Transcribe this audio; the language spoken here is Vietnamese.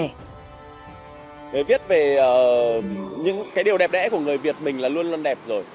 người viết về những cái điều đẹp đẽ của người việt mình là luôn luôn đẹp rồi